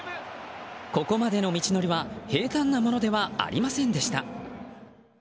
ここまでの道のりは平坦なものではありませんでした。